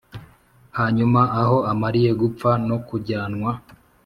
“hanyuma aho amariye gupfa no kujyanwa